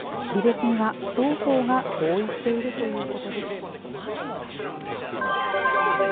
離別には双方が合意しているということです。